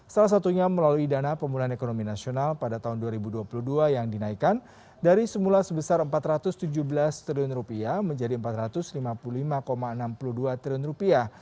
salah satunya melalui dana pemulihan ekonomi nasional pada tahun dua ribu dua puluh dua yang dinaikkan dari semula sebesar empat ratus tujuh belas triliun rupiah menjadi empat ratus lima puluh lima enam puluh dua triliun rupiah